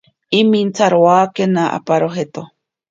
Imintsarowakena aparo jeto.